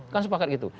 kan sepakat gitu